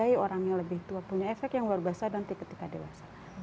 yang luar biasa dan ketika dewasa